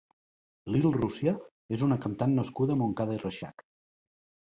Lil Russia és una cantant nascuda a Montcada i Reixac.